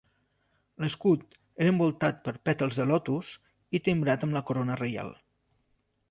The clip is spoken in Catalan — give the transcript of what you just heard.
L'escut era envoltat per pètals de lotus i timbrat amb la corona reial.